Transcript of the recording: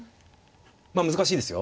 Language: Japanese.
まあ難しいですよ。